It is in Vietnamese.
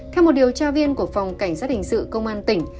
theo một điều tra viên của phòng cảnh sát hình sự công an tỉnh